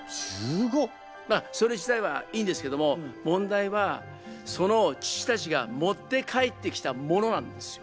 まあそれ自体はいいんですけども問題はその父たちが持って帰ってきたものなんですよ。